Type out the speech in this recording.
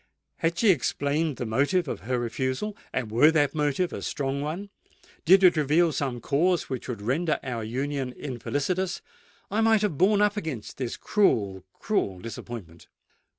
Had she explained the motive of her refusal, and were that motive a strong one,—did it reveal some cause which would render our union infelicitous,—I might have borne up against this cruel—cruel disappointment.